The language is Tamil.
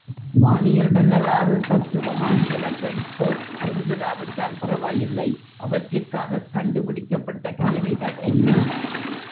வானியல் வரலாறு, தத்துவம் ஆகியவற்றைப் போப் அறிந்திராவிட்டால் பரவாயில்லை அவற்றுக்காகக் கண்டு பிடிக்கப்பட்ட கருவிகள் என்ன?